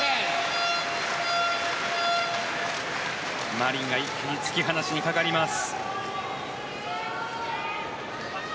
マリンが一気に突き放しにかかります。